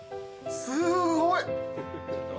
すごい。